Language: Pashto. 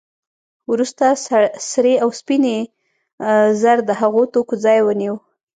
وروسته سرې او سپینې زر د هغو توکو ځای ونیو